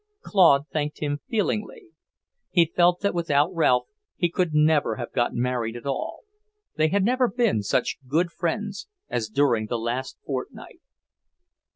Claude thanked him feelingly. He felt that without Ralph he could never have got married at all. They had never been such good friends as during the last fortnight.